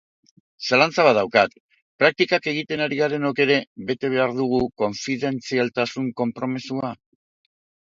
Zalantza bat daukat, praktikak egiten ari garenok ere bete behar dugu konfidentzialtasun konpromezua?